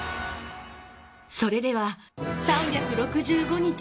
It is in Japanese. それでは３６５日